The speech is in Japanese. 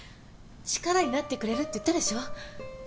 力になってくれるって言ったでしょ。